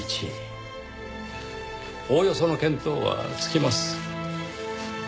おおよその見当はつきます。